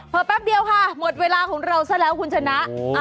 พอแป๊บเดียวค่ะหมดเวลาของเราซะแล้วคุณชนะ